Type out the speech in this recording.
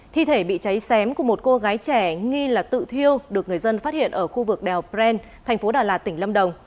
thi thể bị cháy xém của một cô gái trẻ nghi là tự thiêu được người dân phát hiện ở khu vực đèo pren thành phố đà lạt tỉnh lâm đồng